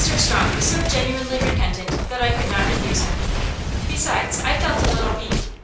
Strong was so genuinely repentant that I could not refuse him. Besides, I felt a little weak.